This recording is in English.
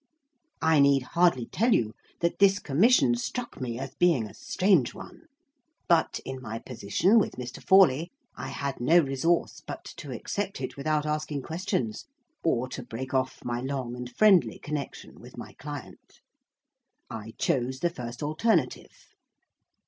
I need hardly tell you that this commission struck me as being a strange one; but, in my position with Mr. Forley, I had no resource but to accept it without asking questions, or to break off my long and friendly connection with my client. I chose the first alternative.